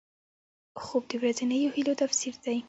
خوب د ورځنیو هیلو تفسیر دی